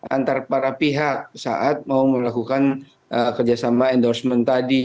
antara para pihak saat mau melakukan kerjasama endorsement tadi